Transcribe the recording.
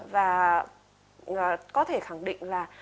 và có thể khẳng định là